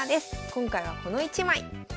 今回はこの一枚。